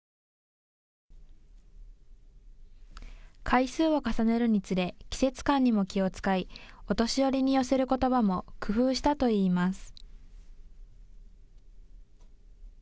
回数を重ねるにつれ季節感にも気を遣いお年寄りに寄せることばも工夫したといいます。